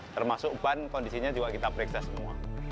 termasuk ban kondisinya juga kita periksa semua